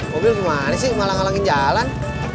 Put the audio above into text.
mobil gimana sih malah ngalangin jalan